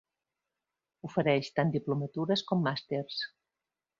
Ofereix tant diplomatures com màsters.